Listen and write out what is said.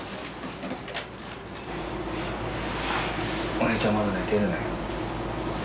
お姉ちゃんまだ寝てるね。